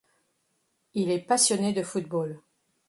Il est passionné de football.